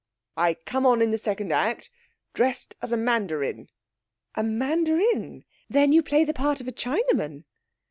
'I come on in the second act, dressed as a mandarin.' 'A mandarin! Then you play the part of a Chinaman?'